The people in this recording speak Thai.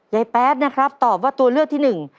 แป๊ดนะครับตอบว่าตัวเลือกที่หนึ่ง